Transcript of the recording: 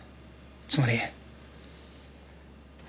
つまり。